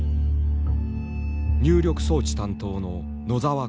入力装置担当の野澤興一。